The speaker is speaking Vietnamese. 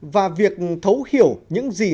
và việc thấu hiểu những gì